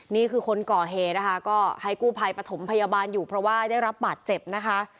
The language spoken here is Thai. นี่คือคนก่อเหตุนะคะก็ให้กู้ภัยปฐมพยาบาลอยู่เพราะว่าได้รับบาดเจ็บนะคะ